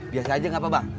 biasa aja nggak apa bang